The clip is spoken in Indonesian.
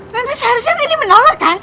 memang seharusnya ini menolak kan